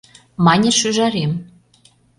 Мане шÿжарем, –